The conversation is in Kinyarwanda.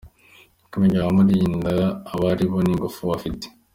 Kumenya abamurinda abo ari bo n’ingufu bafite,